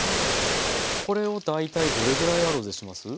これを大体どれぐらいアロゼします？